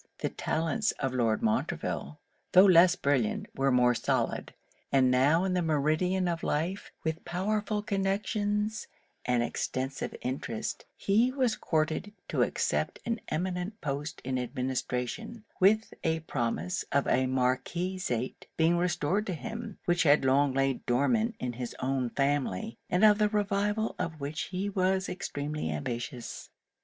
The talents of Lord Montreville, tho' less brilliant, were more solid. And now in the meridian of life, with powerful connections and extensive interest, he was courted to accept an eminent post in administration, with a promise of a Marquisate being restored to him, which had long lain dormant in his own family, and of the revival of which he was extremely ambitious.